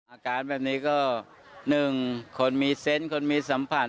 อาการแบบนี้ก็๑คนมีเซนต์คนมีสัมผัส